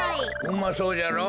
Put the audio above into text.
うまそうじゃろ。